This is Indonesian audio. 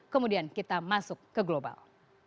kemudian kita masuk ke global